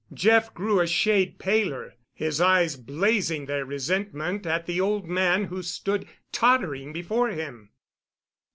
Jeff grew a shade paler, his eyes blazing their resentment at the old man who stood tottering before him.